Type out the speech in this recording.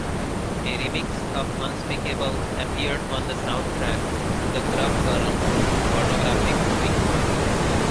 A remix of "Unspeakable" appeared on the soundtrack to the "Grub Girl" pornographic movie.